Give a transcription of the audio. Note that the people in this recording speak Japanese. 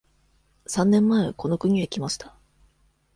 三年前この国へ来ました。